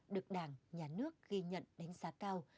được đảng nhà nước ghi nhận đánh giá cao